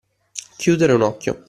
Chiudere un occhio.